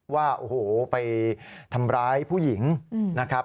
ว่าโอ้โหไปทำร้ายผู้หญิงนะครับ